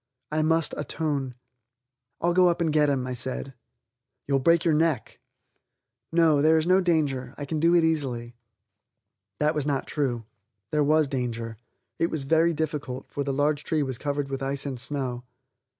I must atone. "I'll go up and get him," I said. "You'll break your neck." "No, there is no danger. I can do it easily." That was not true. There was danger. It was very difficult, for the large tree was covered with ice and snow.